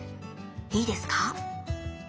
いいですか？